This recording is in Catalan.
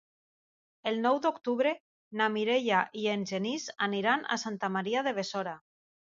El nou d'octubre na Mireia i en Genís aniran a Santa Maria de Besora.